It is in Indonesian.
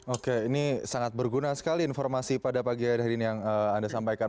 oke ini sangat berguna sekali informasi pada pagi hari ini yang anda sampaikan